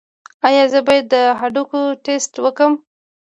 ایا زه باید د هډوکو ټسټ وکړم؟